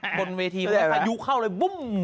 ทดคนเวทีมาพายุเข้าเลยปุ้ม